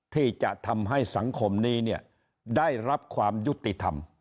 ที่จะทำให้สังคมนี้เนี่ยได้รับความยุติธรรม